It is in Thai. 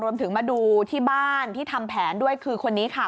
มาดูที่บ้านที่ทำแผนด้วยคือคนนี้ค่ะ